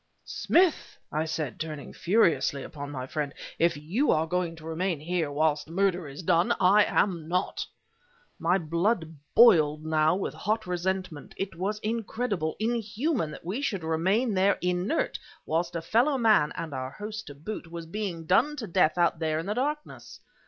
"Smith!" I said, turning furiously upon my friend, "if you are going to remain here whilst murder is done, I am not!" My blood boiled now with hot resentment. It was incredible, inhuman, that we should remain there inert whilst a fellow man, and our host to boot, was being done to death out there in the darkness.